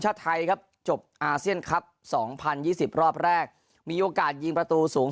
ชาติไทยครับจบอาเซียนครับ๒๐๒๐รอบแรกมีโอกาสยิงประตูสูง